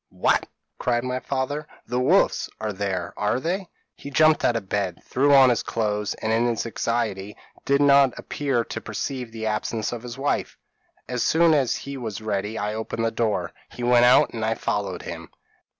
p> "'What!' cried my father, 'the wolves are there, are they?' "He jumped out of bed, threw on his clothes, and, in his anxiety, did not appear to perceive the absence of his wife. As soon as he was ready I opened the door; he went out, and I followed him.